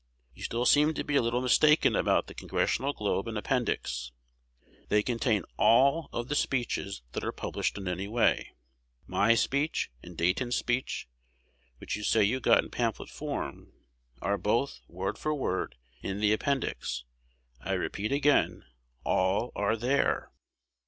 You still seem to be a little mistaken about "The Congressional Globe" and "Appendix." They contain all of the speeches that are published in any way. My speech and Dayton's speech, which you say you got in pamphlet form, are both, word for word, in the "Appendix." I repeat again, all are there.